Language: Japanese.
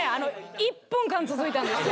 １分間続いたんですよ。